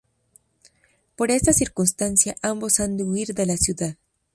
Por esta circunstancia ambos han de huir de la ciudad.